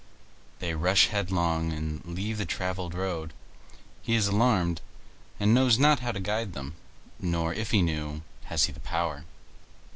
They rush headlong and leave the travelled road. He is alarmed, and knows not how to guide them; nor, if he knew, has he the power.